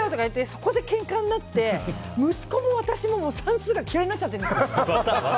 そこでけんかになって息子も私も算数が嫌いになっちゃってるんです。